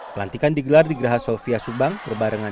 pelantikan digelar di geraha solvia subang